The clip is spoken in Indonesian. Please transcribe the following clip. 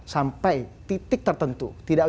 sampai titik tertentu tidak